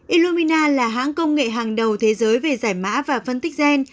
ilomina là hãng công nghệ hàng đầu thế giới về giải mã và phân tích gen